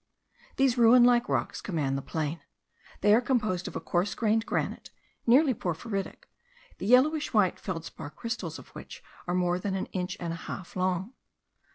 These ruin like rocks command the plain; they are composed of a coarse grained granite, nearly porphyritic, the yellowish white feldspar crystals of which are more than an inch and a half long.